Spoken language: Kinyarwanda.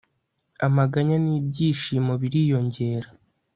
amaganya n'ibyishimo biriyongera